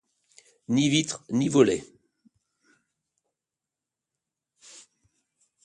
Ni vitres, ni volets.